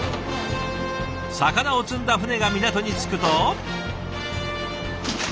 魚を積んだ船が港に着くと。